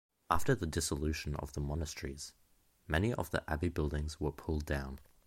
After the dissolution of the monasteries, many of the abbey buildings were pulled down.